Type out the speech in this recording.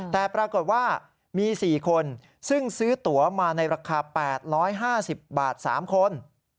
แต่ปรากฏว่ามี๔คนซึ่งซื้อตัวมาในราคา๘๕๐บาท๓คน